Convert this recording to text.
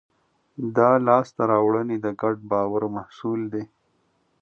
دا لاستهراوړنې د ګډ باور محصول دي.